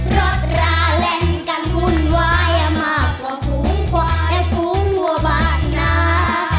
รถราเล่นกันหุ่นวายอามากกว่าฟุ้งขวาและฟุ้งหัวบาตนา